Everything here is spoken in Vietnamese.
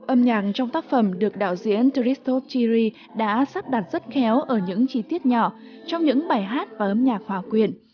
âm nhạc trong tác phẩm được đạo diễn tristot tiri đã sắp đặt rất khéo ở những chi tiết nhỏ trong những bài hát và âm nhạc hòa quyện